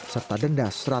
dan juga lima tahun penjara